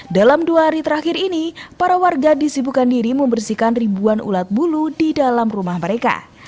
dalam dua hari terakhir ini para warga disibukan diri membersihkan ribuan ulat bulu di dalam rumah mereka